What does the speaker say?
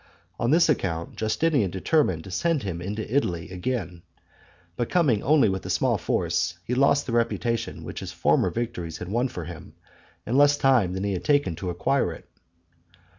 On this account Justinian determined to send him into Italy again; but, coming with only a small force, he lost the reputation which his former victories had won for him, in less time than he had taken to acquire it.